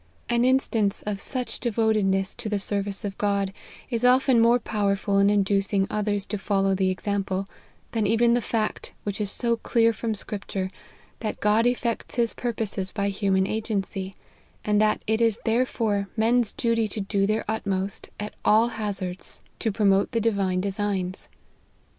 An instance of such devotedness to the service of God, is often more powerful in inducing others to follow the example, than even the fact which is so clear from scripture, that God effects his purposes by human agency, and that it is therefore men's duty to do their utmost, at all hazards, to promote 22 LIFE OF HENRY MARTYN. the divine designs.